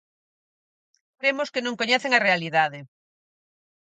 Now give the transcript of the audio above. Cremos que non coñecen a realidade.